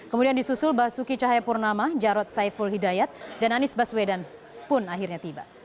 kemudian disusul basuki cahayapurnama jarod saiful hidayat dan anies baswedan pun akhirnya tiba